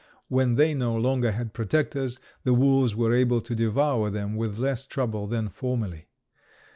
When they no longer had protectors, the wolves were able to devour them with less trouble than formerly.